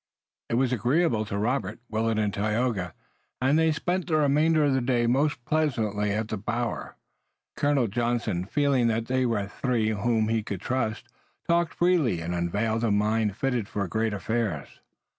It was agreeable to Robert, Willet and Tayoga, and they spent the remainder of the day most pleasantly at the bower. Colonel Johnson, feeling that they were three whom he could trust, talked freely and unveiled a mind fitted for great affairs.